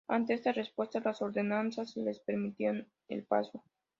Ante esta respuesta, los ordenanzas les permitieran el paso.